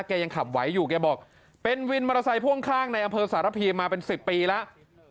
ยังขับไหวอยู่แกบอกเป็นวินมอเตอร์ไซค่วงข้างในอำเภอสารพีมาเป็น๑๐ปีแล้ว